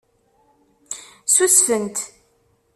Ssusfent.